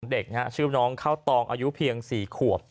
เด็กชื่อน้องข้าวตองอายุเพียง๔ขวบ